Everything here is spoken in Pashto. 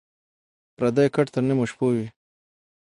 ـ پردى کټ تر نيمو شپو وي.